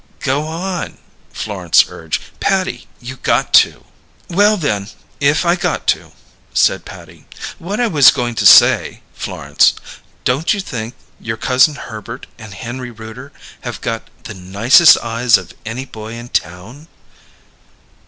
"Go on," Florence urged. "Patty, you got to." "Well, then, if I got to," said Patty. "What I was going to say, Florence: Don't you think your cousin Herbert and Henry Rooter have got the nicest eyes of any boy in town?"